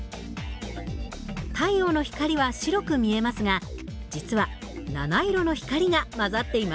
太陽の光は白く見えますが実は７色の光が混ざっています。